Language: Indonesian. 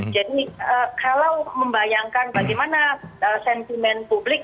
jadi kalau membayangkan bagaimana sentimen publik